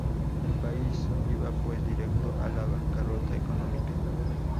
El país iba pues, directo a la bancarrota económica.